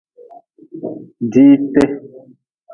Diite.